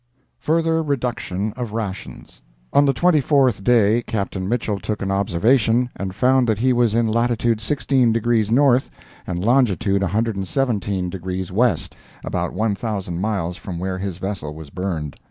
FURTHER REDUCTION OF RATIONS On the twenty fourth day Captain Mitchell took an observation and found that he was in latitude 16 degrees north and longitude 117 degrees west—about l,000 miles from where his vessel was burned.